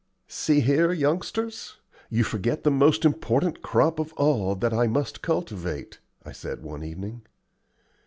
"See here, youngsters, you forget the most important crop of all that I must cultivate," I said one evening.